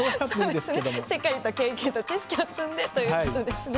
しっかりと経験と知識を積んでということですね。